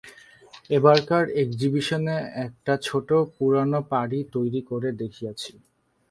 এবারকার এগজিবিশনে একটা ছোট পুরানো পারি তৈরী করে দেখিয়েছি।